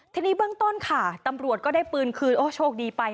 ทีนี้เบื้องต้นค่ะตำรวจก็ได้ปืนคืนโอ้โชคดีไป